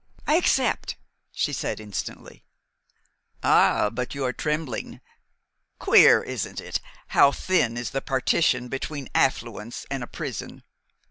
"I accept," she said instantly. "Ah, but you are trembling. Queer, isn't it, how thin is the partition between affluence and a prison?